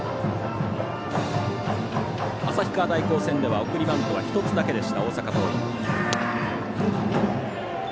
旭川大高戦では送りバントは１つだけでした大阪桐蔭。